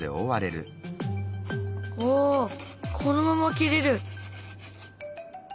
あこのまま切れる。